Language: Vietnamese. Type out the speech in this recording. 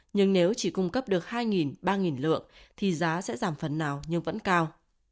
nhưng nếu chỉ cung cấp được hai ba lượng thì giá sẽ giảm phần nào nhưng vẫn cao